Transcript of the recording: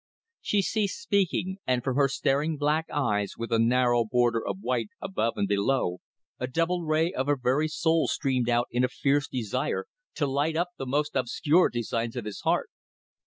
She ceased speaking, and from her staring black eyes with a narrow border of white above and below, a double ray of her very soul streamed out in a fierce desire to light up the most obscure designs of his heart.